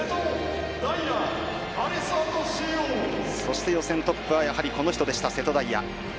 そして予選トップはやはりこの人でした瀬戸大也。